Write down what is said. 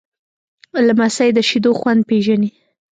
لمسی د شیدو خوند پیژني.